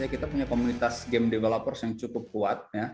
kita punya komunitas game developers yang cukup kuat